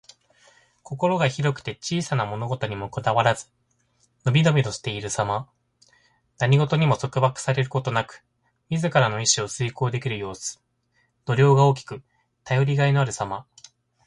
心が広くて小さな物事にこだわらず、のびのびしているさま。何事にも束縛されることなく、自らの意志を遂行できる様子。度量が大きく、頼りがいのあるさま。